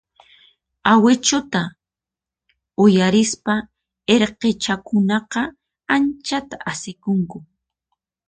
Awichuta uyarispa irqichakunaqa anchata asikunku.